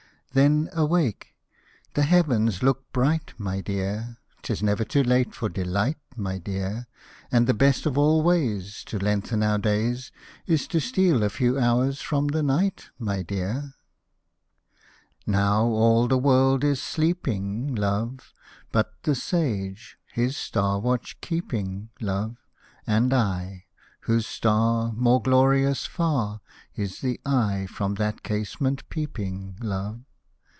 . Then awake !— the heavens look bright, my dear, 'Tis never too late for delight, my dear, And the best of all ways To lengthen our days Is to steal a few hours from the night, my dear 1 Hosted by Google 30 IRISH MELODIES Now all the world is sleeping, love, But the Sage, his star watch keeping, love, And I, whose star, More glorious far, Is the eye from that casement peeping, love.